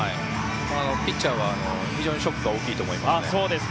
ピッチャーは非常にショックが大きいと思います。